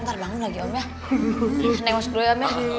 ntar bangun lagi om ya